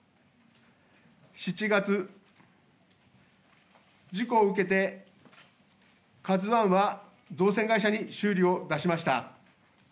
７月、事故を受けて、カズワンは、造船会社に修理を出しました。